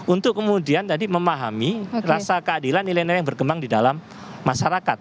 untuk kemudian tadi memahami rasa keadilan nilai nilai yang berkembang di dalam masyarakat